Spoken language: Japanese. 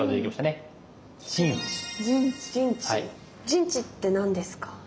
陣地って何ですか？